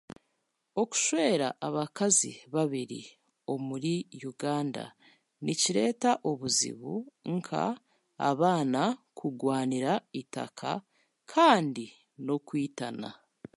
Okushwera abakazi babiri omuri Uganda nikireeta obuzibu nka abaana kugwanira eitaka kandi n'okwitana.